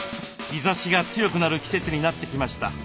日ざしが強くなる季節になってきました。